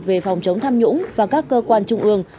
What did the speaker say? về phòng chống tham nhũng và các cơ quan trung ương